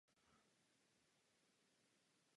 Veliký obléhal Prahu.